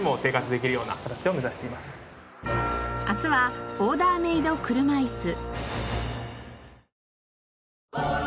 明日はオーダーメイド車いす。